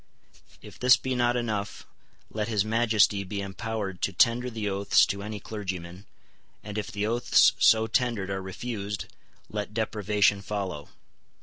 If this be not enough, let his Majesty be empowered to tender the oaths to any clergyman; and, if the oaths so tendered are refused, let deprivation follow.